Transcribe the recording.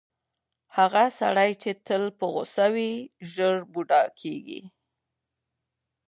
هغه سړی چې تل په غوسه وي، ژر بوډا کیږي.